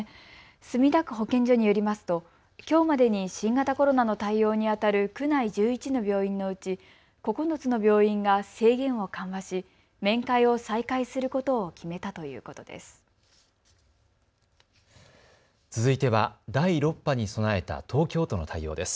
墨田区保健所によりますときょうまでに新型コロナの対応にあたる区内１１の病院のうち９つの病院が制限を緩和し面会を再開することを決めたということです。